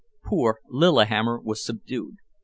Poor Lillihammer was subdued.